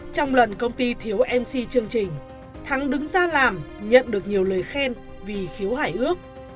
trong lần công ty thiếu mc chương trình thắng đứng ra làm nhận được nhiều lời khen vì khiếu hải ước